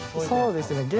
そうですね